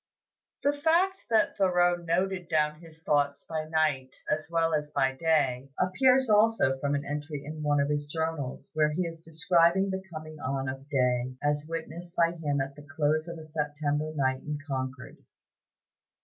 The fact that Thoreau noted down his thoughts by night as well as by day, appears also from an entry in one of his journals, where he is describing the coming on of day, as witnessed by him at the close of a September night in Concord.